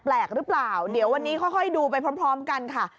แปลกหรือเปล่าเดี๋ยววันนี้ค่อยดูไปพร้อมกันค่ะ